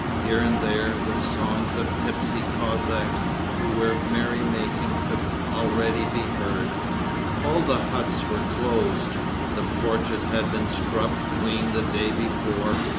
Here and there the songs of tipsy Cossacks who were merry making could already be heard. All the huts were closed; the porches had been scrubbed clean the day before.